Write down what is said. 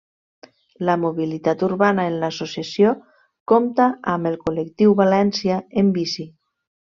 La mobilitat urbana en l'associació compta amb el col·lectiu València en bici.